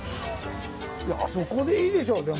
いやあそこでいいでしょでも。